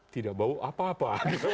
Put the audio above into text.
tidak bau apa apa